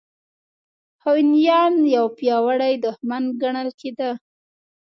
هونیان یو پیاوړی دښمن ګڼل کېده.